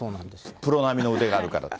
プロ並みの腕があるから。